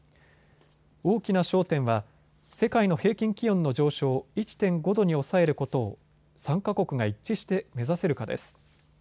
大きな焦点は世界の平均気温の上昇を１．５度に抑えることを参加国が一致して目指せるかです。